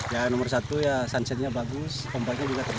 yang nomor satu ya sunsetnya bagus ombaknya juga tenang